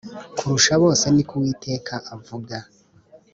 kurusha bose ni ko Uwiteka avuga